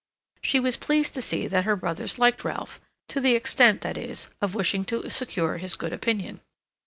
She was pleased to see that her brothers liked Ralph, to the extent, that is, of wishing to secure his good opinion.